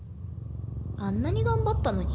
あんなに頑張ったのに。